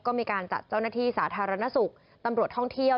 ก็มีการจัดเจ้าหน้าที่สาธารณสุขตำรวจท่องเที่ยว